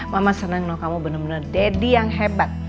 mama seneng tau kamu bener bener daddy yang hebat